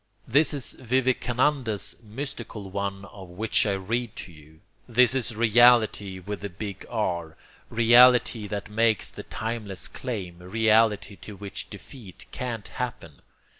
This is Vivekananda's mystical One of which I read to you. This is Reality with the big R, reality that makes the timeless claim, reality to which defeat can't happen.